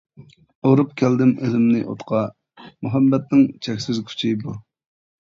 ئۇرۇپ كەلدىم ئۆزۈمنى ئوتقا، مۇھەببەتنىڭ چەكسىز كۈچى بۇ.